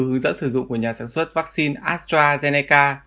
hướng dẫn sử dụng của nhà sản xuất vaccine astrazeneca